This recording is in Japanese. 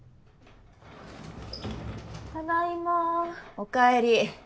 おかえり。